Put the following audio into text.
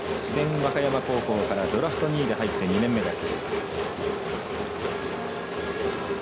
和歌山高校からドラフト２位で入って２年目です。